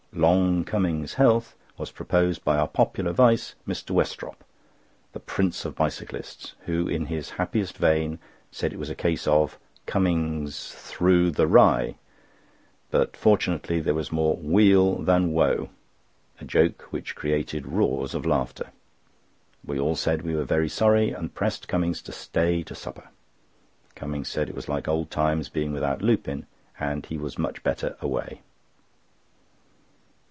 'Long' Cummings' health was proposed by our popular Vice, Mr. Westropp, the prince of bicyclists, who in his happiest vein said it was a case of '_Cumming_(s) thro' the Rye, but fortunately there was more wheel than woe,' a joke which created roars of laughter." We all said we were very sorry, and pressed Cummings to stay to supper. Cummings said it was like old times being without Lupin, and he was much better away.